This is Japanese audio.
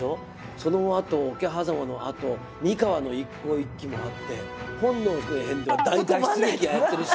その後あと桶狭間のあと三河の一向一揆もあって本能寺の変では大脱出劇はやってるし。